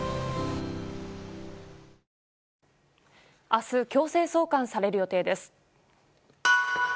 明日、強制送還される予定です。